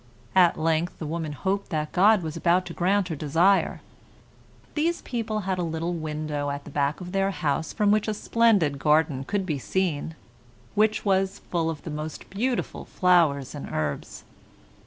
At length the woman hoped that God was about to grant her desire. These people had a little window at the back of their house from which a splendid garden could be seen, which was full of the most beautiful flowers and herbs.